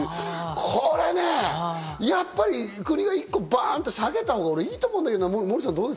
これね、やっぱり国がバンと下げたほうがいいと思うんだけど、モーリーさん？